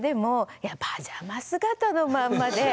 いやパジャマ姿のまんまで。